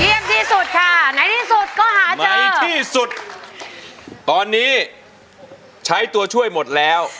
ที่สุดค่ะไหนที่สุดก็หาใจที่สุดตอนนี้ใช้ตัวช่วยหมดแล้ว